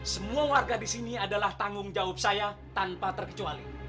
semua warga di sini adalah tanggung jawab saya tanpa terkecuali